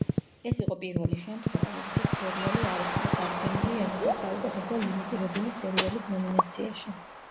ეს იყო პირველი შემთხვევა, როდესაც სერიალი არ იქნა წარდგენილი ემიზე საუკეთესო ლიმიტირებული სერიალის ნომინაციაში.